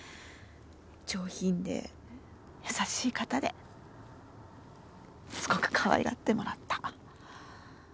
上品で優しい方ですごくかわいがってもらった。